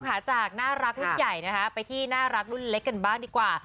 จากน่ารักรุ่นใหญ่นะคะไปที่น่ารักรุ่นเล็กกันบ้างดีกว่า